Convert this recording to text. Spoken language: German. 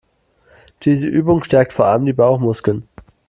Diese Übung stärkt vor allem die Bauchmuskeln.